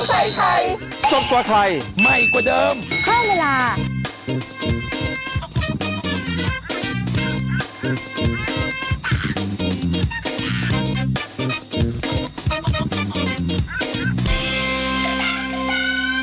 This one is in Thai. คุณก็ต้องเอาจ่ายรถพยาบาลไปอีกโอ้โหมันใจร้ายอ่ะหรือโอ้โหมันใจร้ายอ่ะ